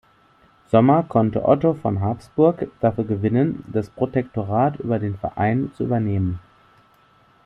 Sommer konnte Otto von Habsburg dafür gewinnen, das Protektorat über den Verein zu übernehmen.